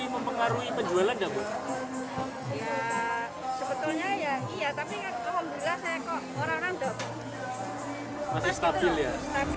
masih stabil ya